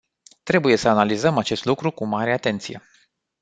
Trebuie să analizăm acest lucru cu mare atenție.